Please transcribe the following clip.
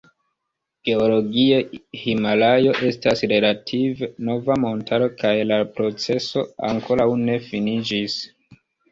Geologie Himalajo estas relative nova montaro kaj la proceso ankoraŭ ne finiĝis.